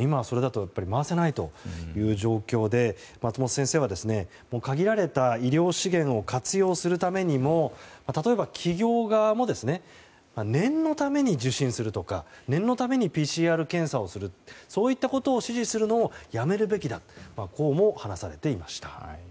今はそれだと回せないという状況で松本先生は限られた医療資源を活用するためにも例えば企業側も念のために受診するとか念のためにＰＣＲ検査をするそういったことを指示するのをやめるべきだと話されていました。